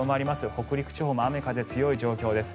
北陸地方も雨、風強い状況です。